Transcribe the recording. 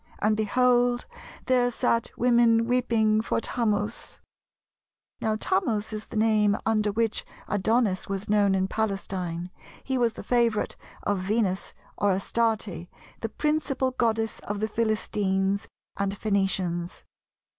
and, behold there sat women weeping for Tammuz.' Now Tammuz is the name under which Adonis was known in Palestine: he was the favourite of Venus, or Astarte, the principal goddess of the Philistines and Phœnicians.